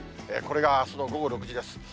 これがあすの午後６時です。